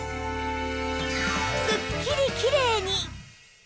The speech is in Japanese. すっきりキレイに！